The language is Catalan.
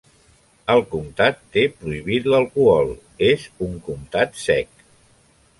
El comtat té prohibit l'alcohol, és un "comtat sec".